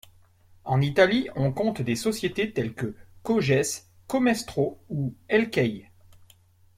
En Italie ont compte des sociétés telles que Coges, Comestero ou Elkey.